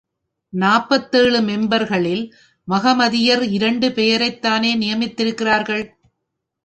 நாற்பத்தேழு மெம்பர்களில் மகமதியர் இரண்டு பெயரைத்தானே நியமித்திருக்கின்றார்கள்.